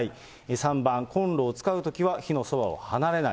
３番、コンロを使うときは火のそばを離れない。